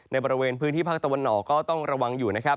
ในบริเวณพื้นที่ภาคตะวันออกก็ต้องระวังอยู่นะครับ